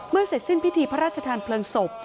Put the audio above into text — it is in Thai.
เสร็จสิ้นพิธีพระราชทานเพลิงศพ